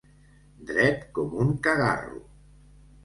Dret com un cagarro.